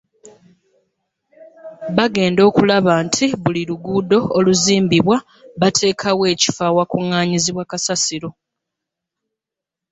Bagenda okulaba nti buli luguudo oluzimbibwa bateekawo ekifo awakungaanyizibwa kasasiro